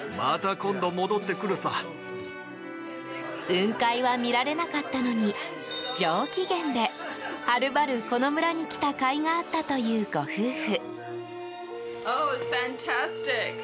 雲海は見られなかったのに上機嫌ではるばる、この村に来たかいがあったというご夫婦。